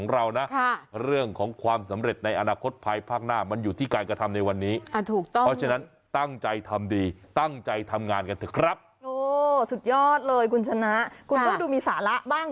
แล้วกว่าจะจุดก็ต้องใช้เวลาอีกพักหนึ่ง